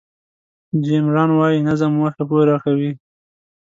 جیم ران وایي نظم موخې پوره کوي.